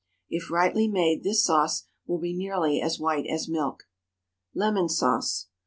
If rightly made, this sauce will be nearly as white as milk. LEMON SAUCE.